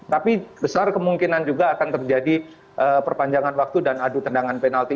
tapi besar kemungkinan juga akan terjadi perpanjangan waktu dan adu tendangan penalti